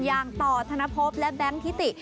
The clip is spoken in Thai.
อย่างต่อธนภพและแบงค์ทิติ